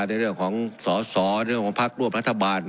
ในเรื่องของสอสอเรื่องของพักร่วมรัฐบาล